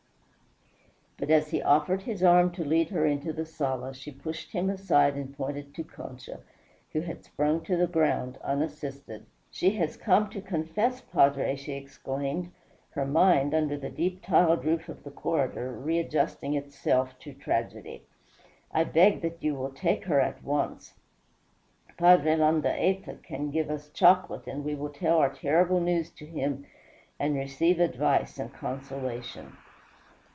But as he offered his arm to lead her into the sala, she pushed him aside and pointed to Concha, who had sprung to the ground unassisted. "She has come to confess, padre!" she exclaimed, her mind, under the deep tiled roof of the corridor, readjusting itself to tragedy. "I beg that you will take her at once. Padre Landaeta can give us chocolate and we will tell our terrible news to him and receive advice and consolation."